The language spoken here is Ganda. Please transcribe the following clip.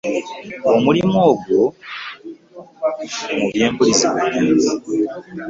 Omulimu gwo mu byempuliziganya.